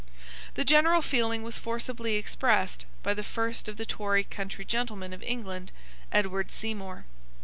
The general feeling was forcibly expressed by the first of the Tory country gentlemen of England, Edward Seymour.